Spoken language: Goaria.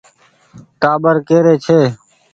ٽآٻر ڪي ري ڇي ۔